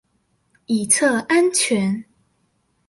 以策安全